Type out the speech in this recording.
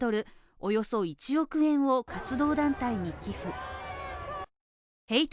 およそ１億円を活動団体に寄付ヘイト